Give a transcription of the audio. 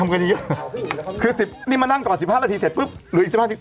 เรื่องรายการเริ่มสดท้ายมากพี่